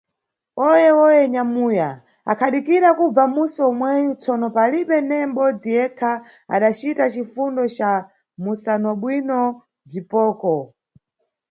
Hoye – hoye nyamuya akhadikira kubva mʼmuso omweyu, tsono palibe neye mʼbodzi yekha adacita cifundo ca mʼmusanobwino bziphoko.